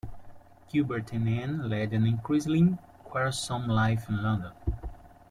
Gilbert and Anne "led an increasingly quarrelsome life" in London.